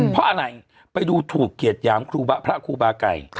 เพราะอะไรไปดูถูกเกียรติหยามครูพระครูบาไก่